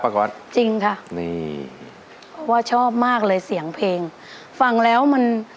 ประกอตจริงค่ะนี่เพราะว่าชอบมากเลยเสียงเพลงฟังแล้วมัน